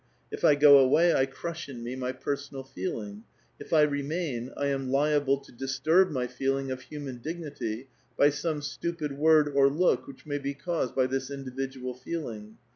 If I go away, 1 crush in me my pei*sonal feeling; if I remain, 1 um liable to disturb my feeling of human dignit}' by some stupid word or look which may be caused by this individual feeling.